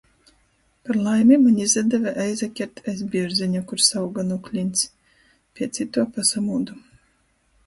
Par laimi maņ izadeve aizakert aiz bierzeņa, kurs auga nu kliņts. Piec ituo pasamūdu.